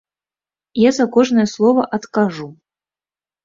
Я за кожнае слова адкажу.